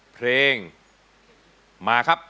เพลงมาครับ